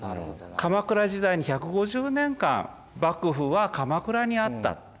鎌倉時代に１５０年間幕府は鎌倉にあった。